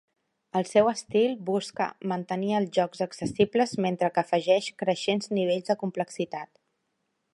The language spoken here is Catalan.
El seu estil busca mantenir els jocs accessibles mentre que afegeix creixents nivells de complexitat.